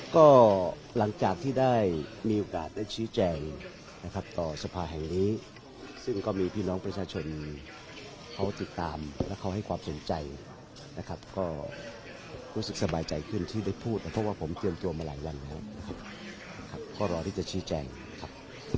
ก็หลังจากที่ได้มีโอกาสได้ชี้แจงนะครับต่อสภาแห่งนี้ซึ่งก็มีพี่น้องประชาชนเขาติดตามและเขาให้ความสนใจนะครับก็รู้สึกสบายใจขึ้นที่ได้พูดนะครับเพราะว่าผมเตรียมตัวมาหลายวันแล้วนะครับก็รอที่จะชี้แจงครับ